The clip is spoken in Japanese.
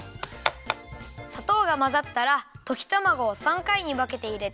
さとうがまざったらときたまごを３かいにわけていれて。